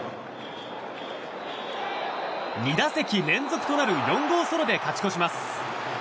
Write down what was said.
２打席連続となる４号ソロで勝ち越します。